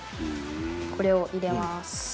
これを入れます。